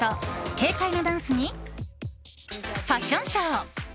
軽快なダンスにファッションショー。